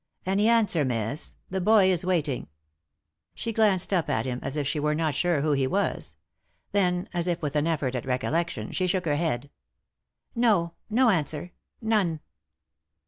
" Any answer, miss ? The boy is waiting." 283 r,v. .c.y,Goog\e THE INTERRUPTED KISS She glanced up at him as if sbe were not sure who he was. Then, as if with an effort at recollection, she shook her head. "No — no answer — none."